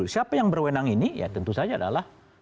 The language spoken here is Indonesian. siapa yang berwenang ini ya tentu saja adalah